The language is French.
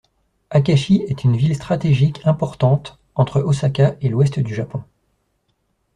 Akashi est une ville stratégique importante entre Osaka et l'ouest du Japon.